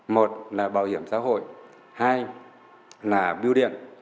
một là bảo hiểm xã hội hai là biêu điện